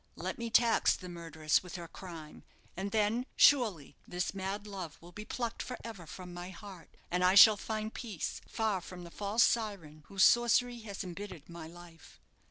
"Let me tax the murderess with her crime! and then, surely, this mad love will be plucked for ever from my heart, and I shall find peace far from the false syren whose sorcery has embittered my life."